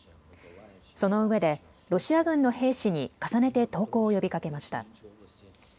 そのうえでロシア軍の兵士に重ねて投降を呼びかけました。